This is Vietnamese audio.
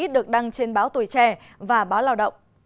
được đăng trên báo tuổi trẻ và báo lao động